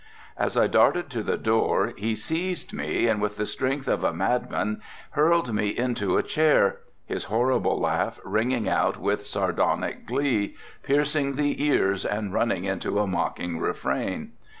As I darted to the door he seized me and with the strength of a mad man hurled me into a chair, his horrible laugh ringing out with sardonic glee, piercing the ears and running into a mocking refrain.